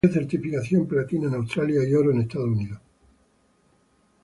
Recibió certificación platino en Australia y oro en Estados Unidos.